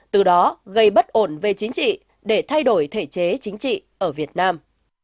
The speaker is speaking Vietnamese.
từ đó gây bất ổn về chính trị để thay đổi thể chế chính trị ở việt nam